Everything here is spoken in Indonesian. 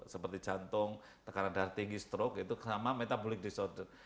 seperti jantung tekanan darah tinggi stroke itu sama metabolic disorder